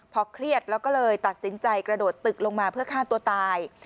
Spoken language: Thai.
พอเครียดแล้วก็เลยตัดสินใจกระโดดตึกลงมาเพื่อฆ่าตัวตาย